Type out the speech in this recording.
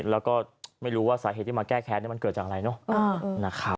แล้วก็ไม่รู้ว่าสาเหตุที่มาแก้แค้นมันเกิดจากอะไรเนอะนะครับ